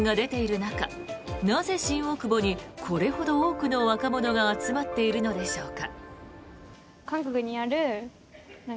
なぜ、新大久保にこれほど多くの若者が集まっているのでしょうか。